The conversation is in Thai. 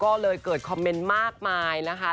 ก็เลยเกิดคอมเมนต์มากมายนะคะ